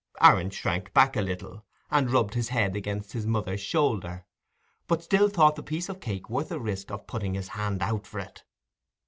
Aaron shrank back a little, and rubbed his head against his mother's shoulder, but still thought the piece of cake worth the risk of putting his hand out for it.